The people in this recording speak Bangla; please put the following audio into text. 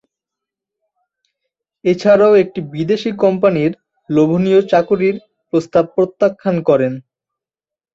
এছাড়াও একটি বিদেশী কোম্পানির লোভনীয় চাকুরির প্রস্তাব প্রত্যাখ্যান করেন।